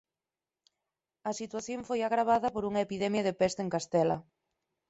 A situación foi agravada por unha epidemia de peste en Castela.